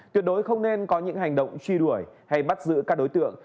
tuyệt đối không nên có những hành động truy đuổi hay bắt giữ các đối tượng